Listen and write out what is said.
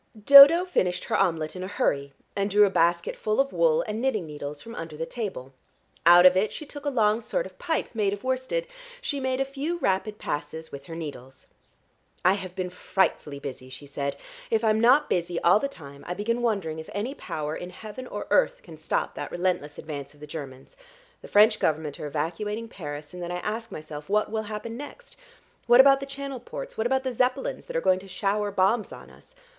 Dodo finished her omelette in a hurry, and drew a basket full of wool and knitting needles from under the table. Out of it she took a long sort of pipe made of worsted. She made a few rapid passes with her needles. "I have been frightfully busy," she said. "If I'm not busy all the time I begin wondering if any power in heaven or earth can stop that relentless advance of the Germans. The French government are evacuating Paris, and then I ask myself what will happen next? What about the Channel ports? What about the Zeppelins that are going to shower bombs on us?